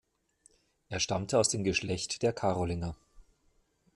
Er stammte aus dem Geschlecht der Karolinger.